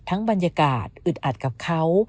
บรรยากาศอึดอัดกับเขา